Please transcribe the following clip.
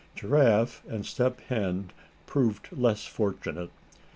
Giraffe and Step Hen proved less fortunate.